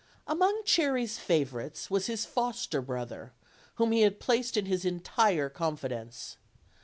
Among Cherry's favorites was his foster brother, whom he had placed in his entire confidence.